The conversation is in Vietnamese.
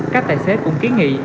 các tài xế cũng kiến nghị